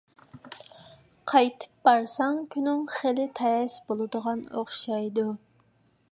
قايتىپ بارساڭ، كۈنۈڭ خېلى تەس بولىدىغان ئوخشايدۇ.